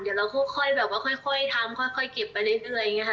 เดี๋ยวเราค่อยแบบว่าค่อยทำค่อยเก็บไปเรื่อยอย่างนี้ค่ะ